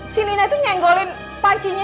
si nina itu nyenggolin pancinya